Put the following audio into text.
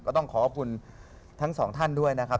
ต้องขอขอบคุณทั้งสองท่านด้วยนะครับ